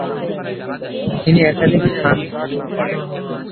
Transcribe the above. তিনি একাধিক স্থান ভ্রমণ করেন।